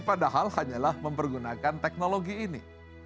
padahal hanyalah mempergunakan teknologi ini